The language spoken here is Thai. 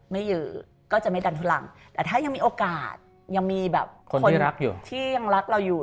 ไม่ยื้อก็จะไม่ดันทุนลังแต่ถ้ายังมีโอกาสยังมีคนที่ยังรักเราอยู่